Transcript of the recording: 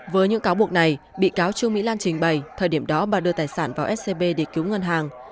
với những cáo buộc này bị cáo trương mỹ lan trình bày thời điểm đó bà đưa tài sản vào scb để cứu ngân hàng